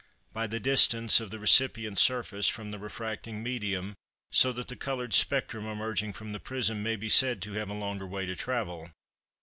By the distance of the recipient surface from the refracting medium so that the coloured spectrum emerging from the prism may be said to have a longer way to travel.